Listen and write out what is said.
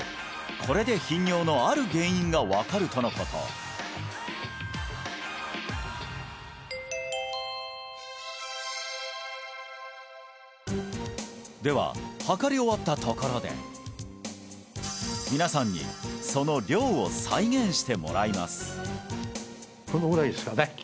これで頻尿のある原因が分かるとのことでは量り終わったところで皆さんにその量を再現してもらいますこのぐらいですかね